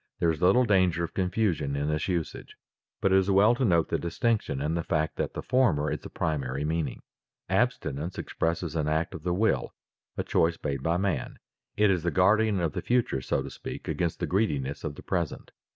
There is little danger of confusion in this usage, but it is well to note the distinction and the fact that the former is the primary meaning. Abstinence expresses an act of the will, a choice made by man. It is the guardian of the future, so to speak, against the greediness of the present.